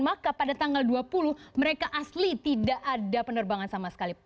maka pada tanggal dua puluh mereka asli tidak ada penerbangan sama sekali